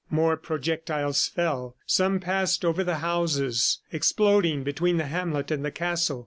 More projectiles fell. Some passed over the houses, exploding between the hamlet and the castle.